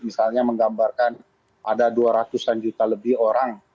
misalnya menggambarkan ada dua ratus an juta lebih orang